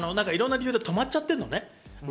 打ちたくないとかいろんな理由で止まっちゃってるのね。